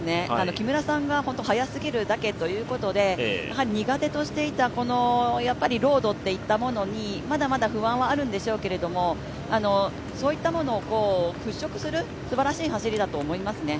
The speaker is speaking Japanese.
木村さんが速過ぎるだけというだけで、苦手としていたこのロードっていったものにまだまだ不安はあるんでしょうがそういったものを払拭するすばらしい走りだと思いますね。